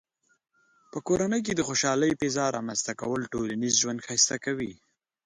په کورنۍ کې د خوشحالۍ فضاء رامنځته کول ټولنیز ژوند ښایسته کوي.